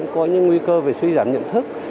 có những nguy cơ về suy giảm nhận thức